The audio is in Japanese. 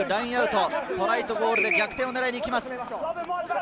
トライとゴールで逆転を狙いにいきます。